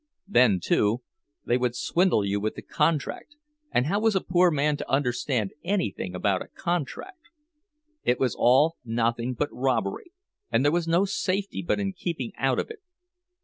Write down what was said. Then, too, they would swindle you with the contract—and how was a poor man to understand anything about a contract? It was all nothing but robbery, and there was no safety but in keeping out of it.